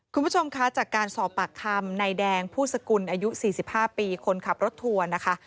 คุณผู้ชมคะจากการสอบปากคำนายแดงผู้สกุลอายุ๔๕ปีคนขับรถทัวร์นะคะ